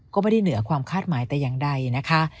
ก็ไม่ได้เหนือความคาดหมายแต่อย่างใดนะคะ